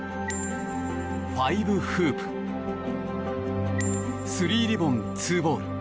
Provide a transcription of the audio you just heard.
５フープ３リボン・２ボール